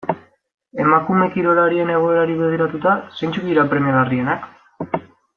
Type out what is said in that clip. Emakume kirolarien egoerari begiratuta, zeintzuk dira premia larrienak?